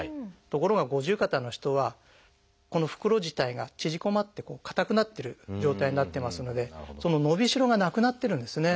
ところが五十肩の人はこの袋自体が縮こまって硬くなってる状態になってますのでその伸びしろがなくなってるんですね。